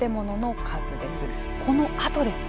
このあとです。